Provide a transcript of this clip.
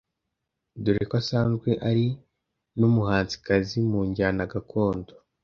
dore ko asanzwe ari n’umuhanzikazi mu njyana gakondo.